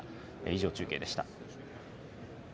以上、中継でした。